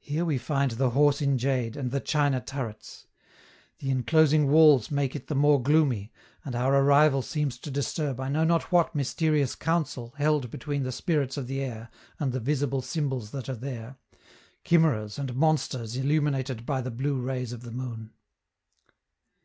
Here we find the horse in jade, and the china turrets. The enclosing walls make it the more gloomy, and our arrival seems to disturb I know not what mysterious council held between the spirits of the air and the visible symbols that are there, chimeras and monsters illuminated by the blue rays of the moon.